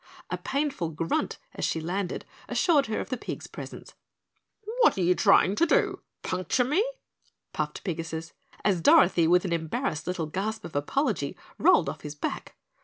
A painful grunt as she landed assured her of the pig's presence. "What you trying to do? Puncture me?" puffed Pigasus, as Dorothy with an embarrassed little gasp of apology rolled off his back.